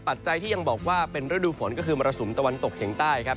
ปัจจัยที่ยังบอกว่าเป็นฤดูฝนก็คือมรสุมตะวันตกเฉียงใต้ครับ